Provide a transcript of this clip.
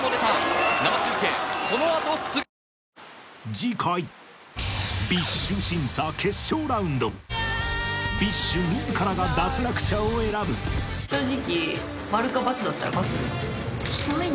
次回ＢｉＳＨ審査決勝ラウンドＢｉＳＨ自らが脱落者を選ぶ正直。